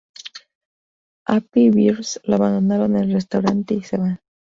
Happy y Biff lo abandonan en el restaurante y se van.